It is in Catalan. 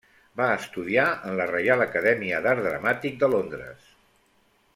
Va estudiar en la Reial Acadèmia d'Art Dramàtic de Londres.